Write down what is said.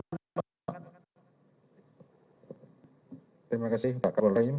terima kasih pak kapolres rahim